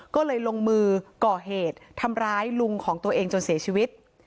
ก็เลยลงมือก่อเหตุทำร้ายลุงของตัวเองจนเสียชีวิต